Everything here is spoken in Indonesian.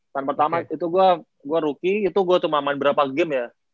tahun pertama itu gue rookie itu gue cuma main berapa game ya